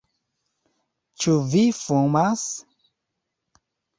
Ĉu vi fumas?